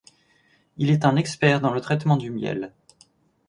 Il est un expert dans le traitement du miel.